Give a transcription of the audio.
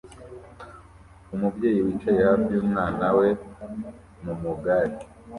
Umubyeyi wicaye hafi yumwana we mumugare